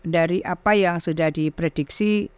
dari apa yang sudah diprediksi